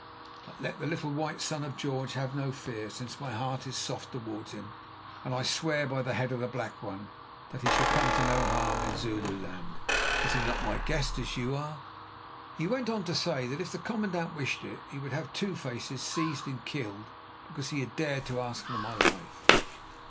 But let the little white Son of George have no fear, since my heart is soft towards him, and I swear by the head of the Black One that he shall come to no harm in Zululand. Is he not my guest, as you are?" He then went on to say that if the commandant wished it, he would have "Two faces" seized and killed because he had dared to ask for my life.